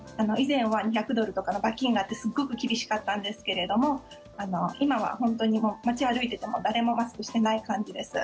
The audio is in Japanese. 以前は２００ドルとかの罰金があってすごく厳しかったんですけれども今は本当に街を歩いてても誰もマスクしていない感じです。